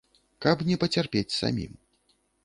Каб не пацярпець самім.